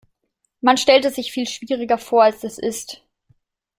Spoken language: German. Man stellt es sich viel schwieriger vor, als es ist.